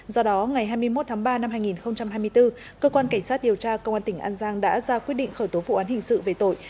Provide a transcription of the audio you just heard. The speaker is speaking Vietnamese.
do đó ngày hai mươi một tháng ba năm hai nghìn hai mươi bốn cơ quan cảnh sát điều tra công an tỉnh an giang đã ra quyết định khởi tố vụ án hình sự về tội